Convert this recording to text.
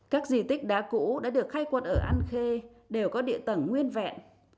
các di tích đá cũ đã được khai quật ở an khê đều có địa tầng nguyên vẹn